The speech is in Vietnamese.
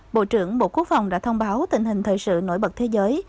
bộ trưởng bộ quốc phòng đã thông báo tình hình thời sự nổi bật thế giới